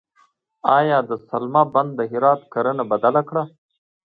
آیا د سلما بند د هرات کرنه بدله کړه؟